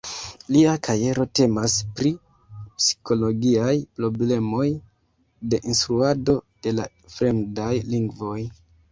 Lia kajero temas pri psikologiaj problemoj de instruado de la fremdaj lingvoj.